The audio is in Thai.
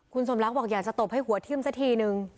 คุณสมรักษ์บอกอยากจะโตบให้หัวทิ้มซะทีหนึ่ง